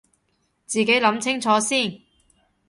自己諗清楚先